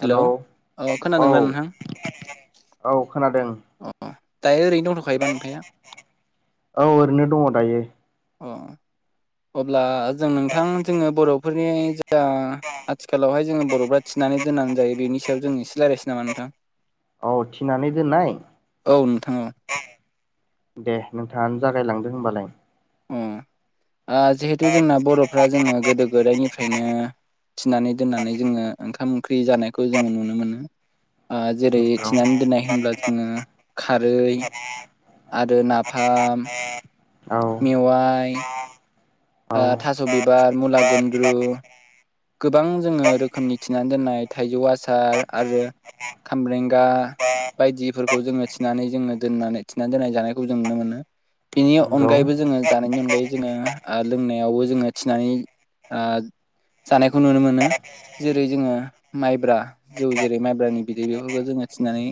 Hello अ औ खोनादोंद नोंथां? औ खोनादों अ दायो ओरैनो दङ। औ ओरैनो दङ दायो। अ अब्ला जों नोंथां जोङो बर'फोरनि जा आथिखालावहाय जोङो बर'फ्रा थिनानै दोननानै जायो बेनि सायाव जों एसेाय्लायसै नामा नोंथां? औ थिनानै दोननाय औ नोंथां औ दे नोंथाङानो जागायलांदो होनोमबालाय। अ जिहेथु जोंना बर'फ्रा जोङो गोदो गोदायनिफ्रायनो थिनानै दोननानै जोङो ओंखाम ओंख्रि जानायखौ जोङो नुनो मोनो। जेरै नंगौ थिनानै दोन्नाय होनब्ला जोङो खारै आरो नाफाम औ मेवाइ औ थास' बिबार मुला गुन्द्रु गोबां जोङो रोखोमनि थिनानै दोननाय थाइजौ आसार आरो खामब्रेंगा बायदिफोरखौ जोङो थिनानै जोङो दोननानै थिनानै दोननाय जानायखौ जों नुनो मोनो। बेनि नंगौ अनगायैबो जोङो जानायनि अनगायै जोङो लोंनायावबो जोङो थिनानै ओ जानायखौ नुनो मोनो। जेरै जोङो माइब्रा जौ जेरै माइब्रानि बिदै बेफोरखौ जोङो थिनानै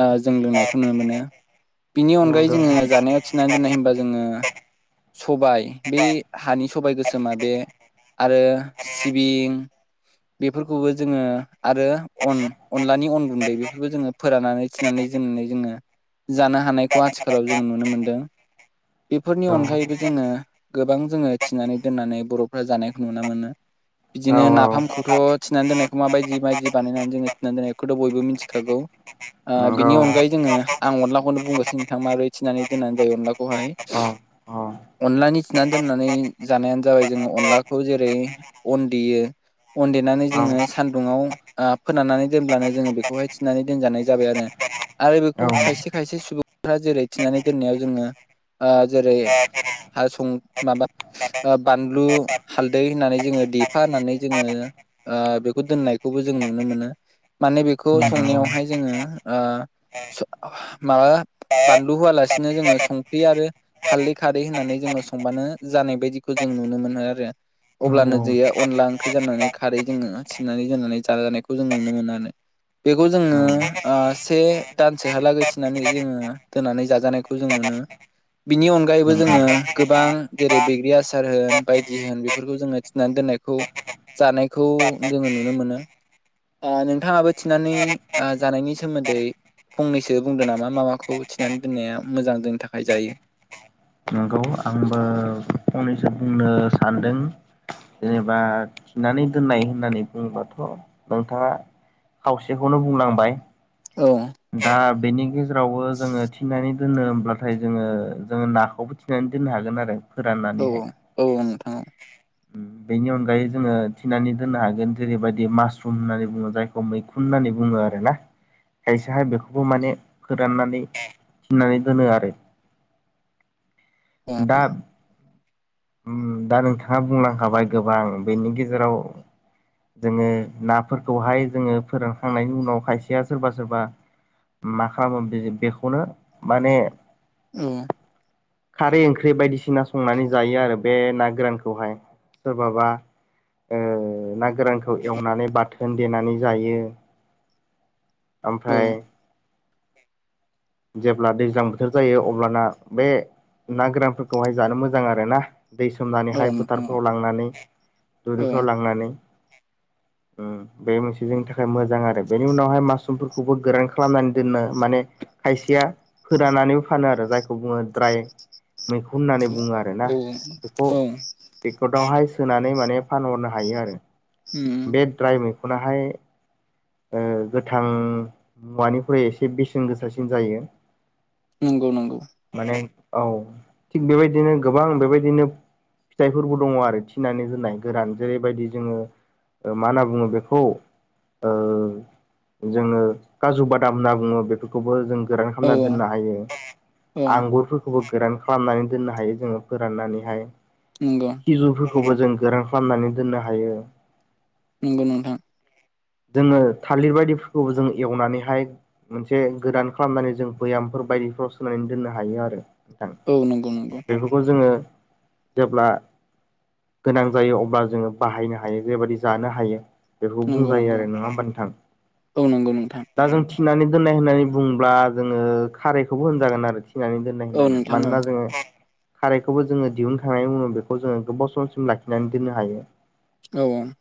ओ जों लोंनायखौ नुनो मोनो। बिनि अनगायै नंगौ जोङो जानायाव थिनानै दोननाय होमबा जोङो सबाय बे हानि सबाय गोसोमा बे आरो सिबिं बेफोरखौबो जोङो आरो अन अनलानि अन गुन्दै बेफोरखौ जोङो फोराननानै थिनानै दोननानै जोङो जानो हानायखौ आथिखालाव जोङो नुनो मोनदों। बेफोरनि नंगौ अनगायैबो जोङो गोबां जोङो थिनानै दोननानै बर'फ्रा जानायखौ नुनो मोनो। औ बिदिनो औ नाफामखौथ' थिनानै दोन्नायखौ माबायदि माबायदि बानायनानै जोङो थिनानै दोन्नायखौथ' बयबो मिन्थिखागौ। ओ नंगौ बिनि अनगायै जोङो आं अनलाखौनो बुंगोरसै नोंथां माबोरै थिनानै दोननानै जायो अनलाखौहाय औ औ अनलानि थिनानै दोननानै जानायानो जाबाय जोङो अनलाखौ जेरै अन देयो अन देनानै औ जोङो सान्दुङाव ओ फोराननानै दोनब्लानो जोङो बेखौहाय थिनानै दोनजानाय जाबाय आरो। आरो नंगौ औ बेखौ खायसे खायसे सुबुंफोरा जेरै थिनानै दोननायाव जोङो ओ जेरै हासुं माबा ओ बानलु हालदै होननानै जोङो देफानानै जोङो ओ बेखौ दोननायखौबो जों नुनो मोनो। माने बेखौ नंगौ संनायावहाय जोङो सा ओ माबा बानलु होआलासिनो जोङो संख्रि आरो हालदै खारै होननानै जोङो संबानो जानाय बायदिखौ जों नुनो मोनो आरो अब्लानो दैया अनला ओंख्रि जानानै खारै जोङो थिनानै दोननानै जाजानायखौ जों नुनो मोनो आरो। बेखौ जोङो ओ से दानसोहालागै थिनानै जोङो दोननानै जाजानायखौ खौ जों नुनो बिनि अनगायैबो जोङो गोबां जेरै बैग्रि आसार होन बायदि होन बेफोरखौ जोङो थि नानै दोननायखौ जानायखौ जोङो नुनो मोनो। ओ नोंथाङाबो थिनानै ओ जानायनि सोमोन्दै फंनैसो बुंदों नामा मा मा खौ थिनानै दोननाया मोजां दोननो थाखाय जायो। नंगौ आंबो फंनैसो बुंनो सानदों। जेनेबा थिनानै दोननाय होननानै बुंङोबाथ' नोंथाङा खावसेखौनो बुंलांबाय औ दा बेनि गेजेरावबो जोङो थिनानै दोनो होमब्ला थाय जोङो जोङो नाखौबो थिनानै दोननो हागोन आरो औ फोराननानैहाय औ औ नोंथां बेनि अनगायै जोङो थिनानै दोननो हागोन जेरैबादि मासरुम होननानै बुङो जायखौ मैखुन होननानै बुङो आरो ना खायसेहाय बेखौबो माने फोराननानै थिनानै दोनो आरो औ दा दा नोंथाङा बुंलांखाबाय गोबां बेनि गेजेराव जोङो नाफोरखौहाय जोङो फोरानखांनायनि उनाव खायसेया सोरबा सोरबा मा खालामो बेखौनो माने ओम खारै ओंख्रि बायदिसिना संनानै जायो आरो बे ना गोरानखौहाय सोरबाबा ओ ना गोरानखौ एवनानै बाथोन देनानै जायो औ ओमफ्राय जेब्ला दैज्लां बोथोर जायो अब्लाना बे ना गोरानफोरखौहाय जानो मोजां आरो ना दै सोमनानै औ हाय नोंथां औ फोथारफ्राव लांनानै दुरिफ्राव लांनानै उम [inaudible] बे मोनसे जोंनि थाखाय मोजां आरो बेनि उनावहाय मास्रुमफोरखौबो गोरान खालामनानै दोननो माने खायसेया फोरानानैबो फानो आरो जायखौ बुङो द्राय मैखुन होननानै बुङो आरो ना औ बेखौ औ बेकेदआवहाय सोनानै माने फानहरनो हायो आरो उम बे द्राय मैखुनाहाय ओ गोथां मुवानिफ्राय एसे बेसेन गोसासिन जायो नंगौ नंगौ माने औ थिग बेबायदिनो गोबां बेबायदिनो फिथाइफोरबो दङ आरो थिनानै दोननाय गोरान जेरैबायदि जोङो मा होनना बुङो बेखौ ओ जोङो काजु बादाम होनना बुङो बेखौ खौबो जों गोरान औ खालामनानै दोननो हायो औ आंगुरफोरखौ खौबो गोरान खालामनानै दोननो हायो जोङो फोराननानैहाय नंगौ सिजौफोरखौबो जों गोरान खालामनानै दोननो हायो नंगौ नोंथां जोङो थालिर बायदिफोरखौबो जोङो एवनानैहाय मोनसे गोदान खालामनानै जों भैयामफोर बायदिफ्राव सोनानै दोननो हायो आरो नोंथां औ नंगौ नंगौ बेफोरखौ जोङो जेब्ला गोनां जायो अब्ला जोङो बाहायनो हायो जेबाददि जानो हायो बेखौ नंगौ बुंजायो नंगौ आरो नङा होमबा नोंथां औ नंगौ नोंथां दा जों थिनानै दोननाय होननानै बुंब्ला जोङो खारैखौबो होनजागोन आरोखि थिनानै दोननाय औ होननानै नोंथां औ मानोना जोङो खारैखौबो जोङो दिहुननोखांनायनि उनाव बेखौ जोङो गोबाव समसिम लाखिनानै दोननो हायो औ औ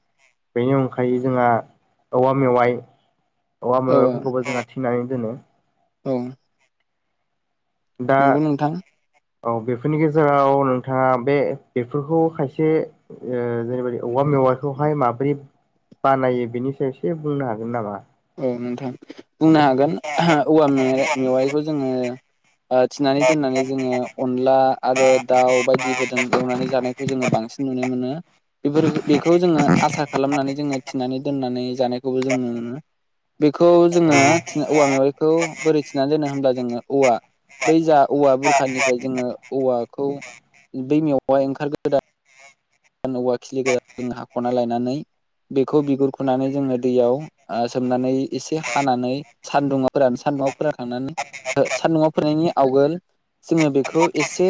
बेनि अनगायै जोंहा औवा मेवाइ औवा औ मैवाफोरखौबो जोंना थिनानै दोनो औ दा नंगौ नोंथां औ बेफोरनि गेजेराव नोंथाङा बे बेफोरखौ खायसे ओ जेरैबायि औवा मेवाखौहाय माबोरै बानायो बेनि सायाव एसे बुंनो हागोन नामा औ नोंथां बुंनो हागोन औवा मेवाइखौ जोङो थिनानै दोननानै जोङो अनला आरो दाउ बायदिफोरजों एवनानै जानायखौ जोङो बांसिन नुनो मोनो बेफोर बेखौ जोङो आसार खालामनानै जोङो थिनानै दोननानै जानायखौबो जोङो बेखौ जोङो औवा मेवाइखौ बोरै थिनानै दोनो होमब्ला जोङो औवा बै जा औवा बुरखानिफ्राय जोङो औवाखौ बै मेवाय ओंखारगोदा औवा खिलि गोजा जों हाख'ना लायनानै बेखौ बिगुरखुनानै जोङो दैयाव सोमनानै एसे हानानै सान्दुङाव फोरानो सान्दुुङाव फोरनखांनानै सान्दुुङाव फोराननायनि आवगोल जोङो बेखौ एसे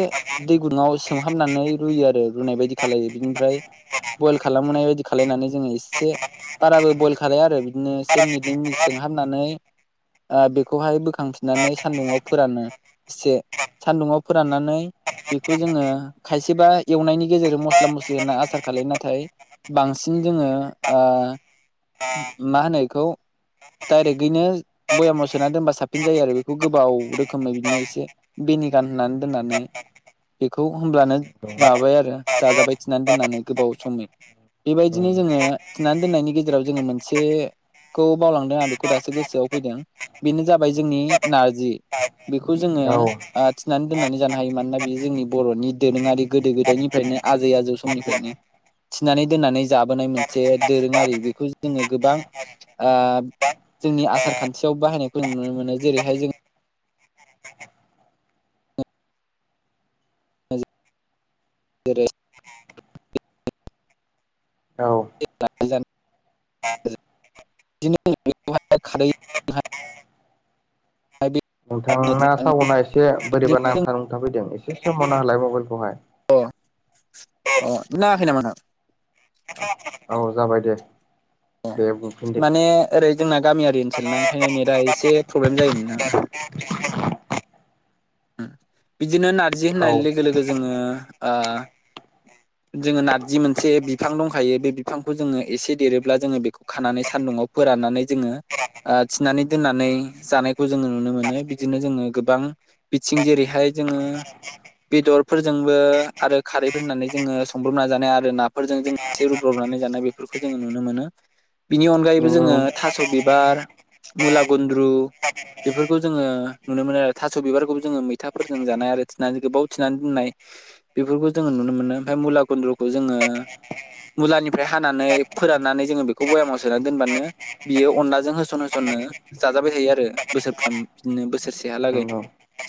दै गुदुङाव सोमहाबनानै रुयो आरो रुनाय बायदि खालामलो बिनिफ्राय बयल खालामबोनाय बायदि खालामलायनानै जोङो एसे बाराबो बयल खालाया आरो बिदिनो से मिनिट नै मिनिट सोमहाबनानै ओ बेखौहाय बोखांफिननानै सान्दुुङाव फोरानो एसे सान्दुङाव फोराननानै बेखौ जोङो खायसेबा एवनायनि गेजेरजों मस मस्ला मस्लि होनना आसार खालायो नाथाय बांसिन जोङो ओ मा होनो इखौ डायरेक्टयैनो भयामाव सोना दोनबा साबसिन जायो आरो बेखौ गोबाव रोखोमै बिदिनो एसे भेनिगान होननानै दोननानै बेखौ होनब्लानो माबाय आरो जाजाबाय थिनानै दोननानै गोबाव समनि बेबायदिनो जोङो थिनानै दोननायनि गेजेराव जोङो मोनसे खौ बावलांदों आं बेखौ दासो गोसोआव फैदों बेनो जाबाय जोंनि नारजि बेखौ जोङो औ ओ थिनानै दोननानै जानो हायो मानोना बेयो जोंनि बर'नि दोरोङारि गोदो गोदायनिफ्रायनो आजै आजौ समनिफ्रायनो थिनानै दोननानै जाबोनाय मोनसे दोरोङारि बेखौ जोङो गोबां ओ जोंनि आसार खान्थियाव बाहायनायखौ जों नुनो मोनो जेरैहाय जों जेरै औ [unintelligible] बिदिनो [unintelligible] खारै आंना सावना एसे बोरैबा नांथार न थाफैदों एसे सोमावना होलाय मबाइलखौहाय अ अ नांङाखि नामा नोंथां [unintelligible] औ जाबाय दे ए दे बुंफिनदो माने ओरै जोंना गामियारि ओनसोलना ओंखायनो नेटआ एसे प्रब्लेम जायो नोंथा बिदिनो नारजि औ होननाय लोगो लोगो जोङो ओ जोङो नारजि मोनसे बिफां दंखायो बे बिफांखौ जोङो एसे देरोब्ला जोङो बेखौ खानानै सान्दुङाव फोराननानै जोङो ओ थिनानै दोननानै जानायखौ जोङो नुनो मोनो बिदिनो जोङो गोबां बिथिं जेरैहाय जोङो बेदरफोरजोंबो आरो खारैफोर होननानै जोङो संब्रबना जानाय आरो नाफोरजों जों एसे रुब्रबनानै जानाय बेफोरखौ जोङो नुनो मोनो बिनि अनगायैबो नंगौ जोङो थास' बिबार मुला गन्द्रु बेफोरखौ जोङो नुनो मोनो आरो थास' बिबारखौबो जोङो मैथाफोरजों जानाय आरो थिनानै गोबाव थिनानै दोननाय बेफोरखौ जोङो नुनो मोनो ओमफ्राय मुला खुन्द्रखौ जोङो मुलानिफ्राय हानानै फोराननानै जोङो बेखौ बयामाव सोनानै दोनबानो बियो अनलाजों होसन होसननो जाजाबाय थायो आरो बोसोरफ्राम बिदिनो बोसोरसेहालागै नंगौ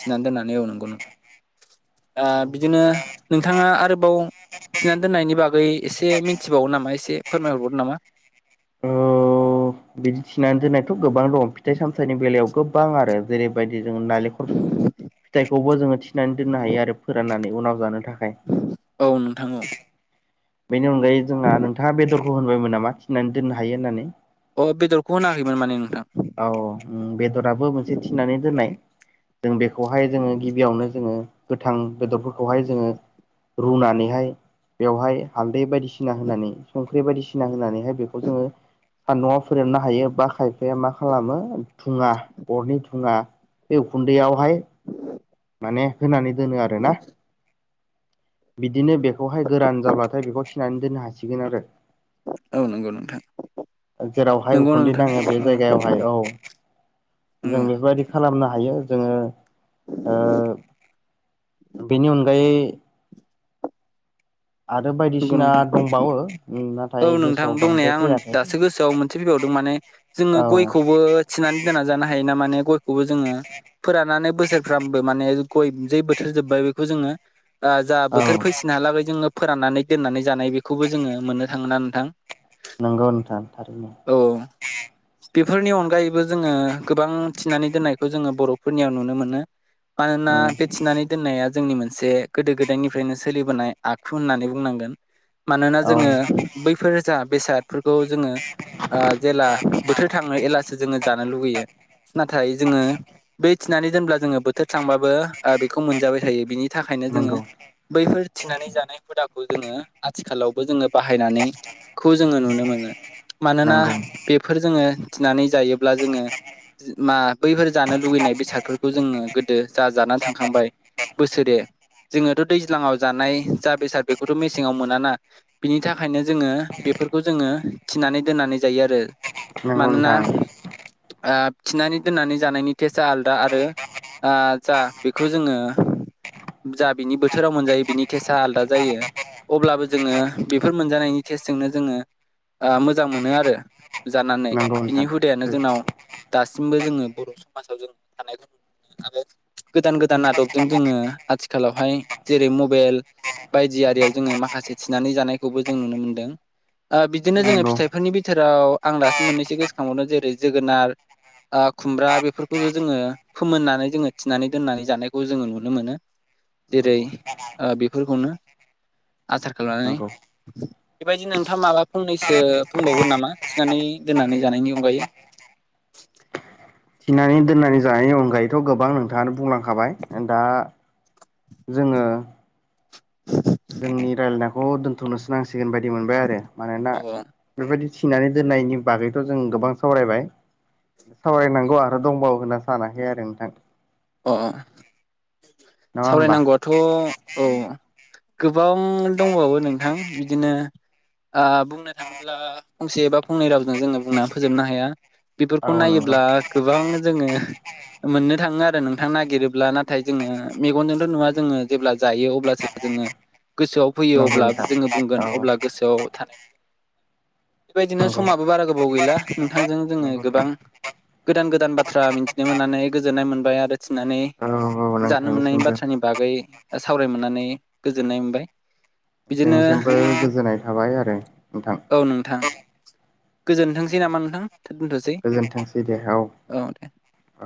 थिनानै दोननानै एवनगौ नङा औ बिदिनो नोंथाङा आरोबाव थिनानै दोननायनि बागै एसे मिन्थिबावगो नामा एसे फोरमायहरबावगो नामा औ बिदि थिनानै दोननायथ' गोबां दं फिथाइ सामथाइनि बेलायाव गोबां आरो जेरै बेबायदि जोङो नालेंखर फिथाइखौबो जोङो थिनानै दोननो हायो आरो फोराननानै उनाव जानो थाखाय औ नोंथां औ बेनि अनगायै जोंहा नोंथाङा बेदरखौ होनबायमोन नामा थिनानै दोननो हायो होननानै अ बेदरखौ होनाखैमोन माने नोंथां औ बेदराबो मोनसे थिनानै दोननाय जों बेखौहाय जोङो गिबियावनो जोङो गोथां बेदरफोरखौहाय जोङो रुनानैहाय बेवहाय हालदै बायदिसिना होनानै संख्रि बायदिसिना होनानैहाय बेखौ जोङो सानदुंआव फोराननो हायो बा खायफाया मा खालामो थुङा अरनि थुङा बे उखुन्दैयावहाय माने होनानै दोनो आरो ना बिदिनो बेखौहाय गोरान जाब्लाथाय बेखौ थिनानै दोननो हासिगोन आरो औ नंगौ नोंथां जेरावहाय नंगौ उखुन्दै नोंथां नाङो बे औ जायगायावहाय औ औ जों बेफोरबायदि खालामनो हायो जोङो बेनि अनगायै आरो नंगौ बायदिसिना नोंथां दंबावो औ नाथाय नोंथां गोसोआव बांद्राय दंनाया आं फैयाखै दासो गोसोआव मोनसे फैबावदों माने जोङो औ गयखौबो थिनानै दोनना जानो हायो ना माने गयखौबो जोङो फोराननानै बोसोरफ्राम माने गय बोथोर जोब बेखौ जोङो औ बोथोर फै जा फोराननानै दोननानै जानाय बेखौबो जोङो मोननो थाङोना नोंथां नंगौ नोंथां थारैनो औ बेफोरनि अनगायैबो जोङो गोबां थिनानै दोननायखौ जोङो बर' फोरनियाव नुनो मोनो मानोना उम बे थिनानै दोननाया जोंनि मोनसे गोदो गोदायनिफ्रायनो सोलिबोनाय आखु होननानै बुंनांगोन मानोना औ जोङो बैफोर जा बेसादफोरखौ जोङो जेला बोथोर थाङो अब्लासो जोङो जानो लुुबैयो नाथाय जोङो बै फिसिनानै दोनब्ला जोङो बोथोर थांबाबो बेखौ मोनजाबाय थायो बिनि थाखायनो जोङो नंगौ बैफोर थिनानै जानाय हुदाखौ जोङो आथिखालावबो जोङो बाहायनानैखौ जोङो नुनो मोनो मानोना नंगौ बेफोर जोङो थिनानै जायो ब्ला जोङो मा बैफोर जानो लुुबैनाय बेसादफोरखौ जोङो गोदो जा जानानै थांखांबाय बोसोरे जोङोथ' दैज्लाङाव जानाय जा बेसाद बेखौथ' मेसेङाव मोनाना बिनि थाखायनो जोङो बेफोरखौ जोङो थिनानै दोननानै जायो आरो नंगौ मानोना नोंथां थिनानै दोननानै जानायनि टेस्टआ आलदा आरो जा बेखौ जोङो जा बिनि बोथोराव मोनजायो बिनि टेसआ आलादा जायो अब्लाबो जोङो बेफोर मोनजानायनि टेस्टजोंनो जोङो मोजां मोनो आरो जानानै नंगौ बिनि नोंथां हुदायानो जोंनाव दासिमबो जोङो बर' समाजाव जों थानायखौ नुनो मोनो गोदान गोदान आदबजों जोङो आथिखालावहाय जेरै मबाइल बायदि आरियाव जोङो माखासे थिनानै जानाय खौबो जों नुनो मोनदों बिदिनो जोङो नंगौ फिथाइफोरनि बिथोराव आं दासो मोननैसो गोसोखांबावदों जेरै जोगोनार खुमब्रा बेफोरखौनो जोङो फोमोननानै जोङो थिनानै दोननानै जानायखौ जोङो नुनो मोनो जेरै नंगौ बेफोरखौनो आसार खालामनानै नंगौ बेबायदि नोंथां माला फंनैसो बुंबावगोन नामा थिनानै दोननानै जानायनि अनगायै थिनानै दोननानै जानायनि अनगायैथ' गोबां नोंथाङानो बुंलांखाबाय दा जोङो जोंनि रायल्लायनायखौ दोन्थ'नोसो नांसिगोन बायदि मोनबाय आरो मानोना औ बेबायदि थिनानै दोननायनि बागैथ' जों गोबां सावरायबाय सावरायनांगौ आरो दंबावो होनना सानाखै आरो नोंथां अ नङा होमबा सावरायनांगौआथ' औ गोबां दंबावो नोंथां बिदिनो बुंनो थाङोब्ला फंसे एबा फंनै रावजों जोङो बुंनानै फोजोबनो हाया। औ बेफोरखौ नंगौ नायोब्ला गोबां जोङो मोननो थाङो आरो। आरो नोंथांनो नागिरोब्ला नाथाय जोङो मेगनजोंथ' नुवा जोङो जेब्ला जायो अब्लासो जोङो। गोसोआव फैयो नंगौ अब्ला नोंथां जोङो बुंगोन औ अब्ला गोसोआव थानायखौ बेबायदिनो नंगौ समाबो बारा गोबाव गैला नोंथांजों जोङो नंगौ नोंथां गोबां गोदान गोदान बाथ्रा मिथिनो मोननानै गोजोननाय मोनबाय आरो थिननानै औ औ जानो मोननायनि नोंथांनिसिमबो बाथ्रानि बागै सावरायमोननानै गोजोननाय मोनबाय। बिदिनो जोंसिमबो गोजोननाय थाबाय आरो नोंथां। औ नोंथां। गोजोनथोंसै नामा नोंथां? दोनथ'सै गोजोनथोंसै दे औ नोंथां दे। औ